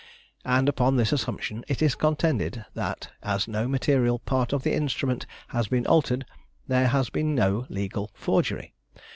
And upon this assumption it is contended, that as no material part of the instrument has been altered, there has been no legal forgery.